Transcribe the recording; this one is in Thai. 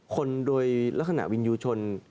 คนโดยละขนาดวินยูชน